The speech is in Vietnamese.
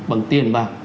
bằng tiền bạc